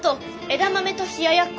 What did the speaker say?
枝豆と冷ややっこ。